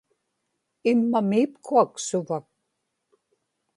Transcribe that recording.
immamiipkuak suvak